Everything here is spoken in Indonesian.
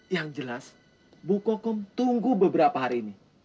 yang jelas bu kokom tunggu beberapa hari ini